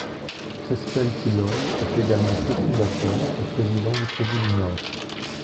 Crespel-Tilloy est également cofondateur et président du Crédit du Nord.